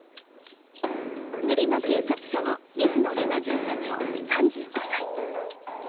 練馬警察署の水野麗奈巡査長３５歳。